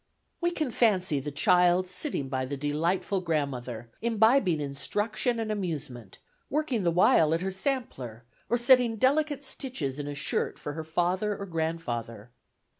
We can fancy the child sitting by the delightful grandmother, imbibing instruction and amusement, working the while at her sampler, or setting delicate stitches in a shirt for father or grandfather.